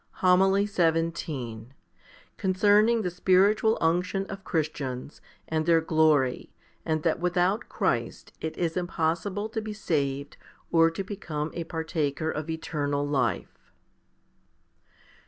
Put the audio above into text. HOMILY XVII Concerning the spiritual unction of Christians, and their glory, and that without Christ it is impossible to be saved or to become a partaker of eternal life.